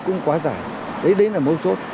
cũng quá dài đấy là một số